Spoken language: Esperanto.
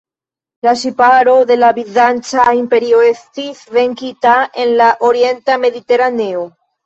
La ŝiparo de la Bizanca Imperio estis venkita en la orienta Mediteraneo.